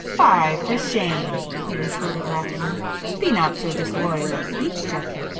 "Fie, for shame!" he retorted laughingly—"Be not so disloyal of speech, Geoffrey!